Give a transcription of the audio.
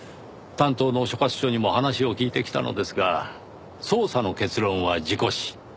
担当の所轄署にも話を聞いてきたのですが捜査の結論は事故死。